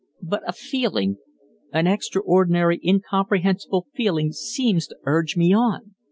But a feeling an extraordinary, incomprehensible feeling seems to urge me on.